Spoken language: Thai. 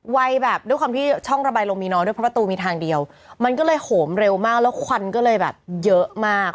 แบบด้วยความที่ช่องระบายลงมีน้อยด้วยเพราะประตูมีทางเดียวมันก็เลยโหมเร็วมากแล้วควันก็เลยแบบเยอะมาก